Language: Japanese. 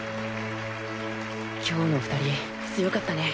今日の２人強かったね。